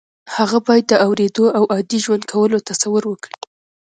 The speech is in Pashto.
هغه باید د اورېدو او عادي ژوند کولو تصور وکړي